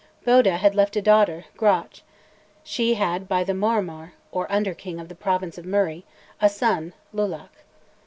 Boedhe had left a daughter, Gruach; she had by the Mormaor, or under king of the province of Murray, a son, Lulach.